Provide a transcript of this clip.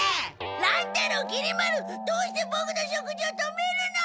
乱太郎きり丸どうしてボクの食事を止めるの！？